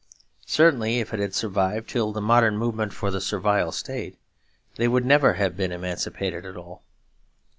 Certainly if it had survived till the modern movement for the Servile State, they would never have been emancipated at all.